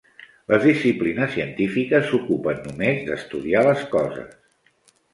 Les disciplines científiques s'ocupen només d'estudiar les coses.